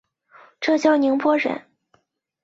浙江宁波人。